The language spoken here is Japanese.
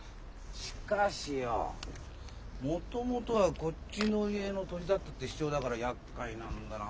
しかしよ「もともとはこっちの家の土地だった」って主張だからやっかいなんだな。